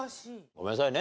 ごめんなさいね。